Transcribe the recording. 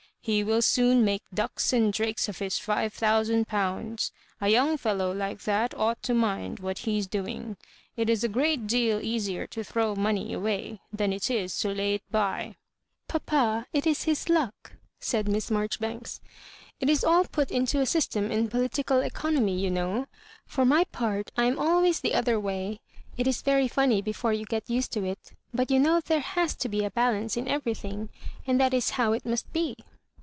He will soon make ducks and drakes of his five thousand pounds. ^ young fellow like that ought to mind what he*s doing. It is a great deal easier to throw money away than to lay it by." '* Papa^ it is his luck," said Miss Marjoribanks ;it is all put iuto a system in political economy, you know. For my part, I am always the other way. It is very funny before you get used to it ; but you know there has to be a balance in every thing, and that is how it must be."